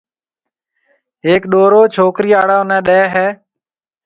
ھيَََڪ ڏورو ڇوڪرِي آݪو نيَ ڏيَ ھيََََ